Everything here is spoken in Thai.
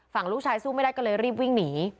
ฝั่งลูกชายสู้ไม่ได้ก็เลยรีบวิ่งหนี